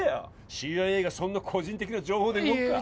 ＣＩＡがそんな個人的な情報で動くかいいえ